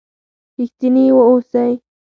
رښتيني و اوسئ!